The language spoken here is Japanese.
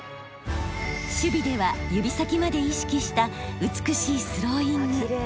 守備では指先まで意識した美しいスローイング。